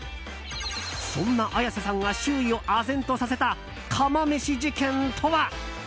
そんな綾瀬さんが周囲をあぜんとさせた釜めし事件とは？